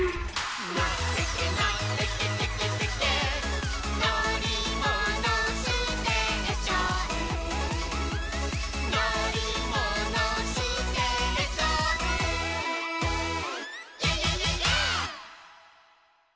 「のってけのってけテケテケ」「のりものステーション」「のりものステーション」「イエイイエイイエイイエイ！」